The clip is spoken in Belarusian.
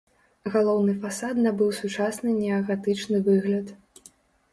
Галоўны фасад набыў сучасны неагатычны выгляд.